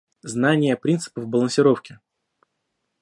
Знание принципов балансировки